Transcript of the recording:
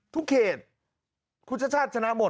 ทุกเขตคุณชชาติชนะหมด